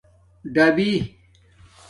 ڈَبئ